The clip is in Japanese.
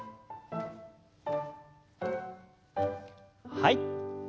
はい。